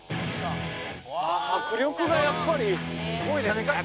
迫力がやっぱりすごいですね。